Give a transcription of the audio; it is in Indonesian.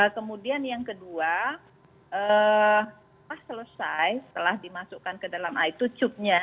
kemudian yang kedua pas selesai setelah dimasukkan ke dalam eye to tooth nya